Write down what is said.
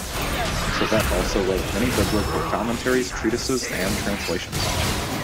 Trivet also wrote many biblical commentaries, treatises and translations.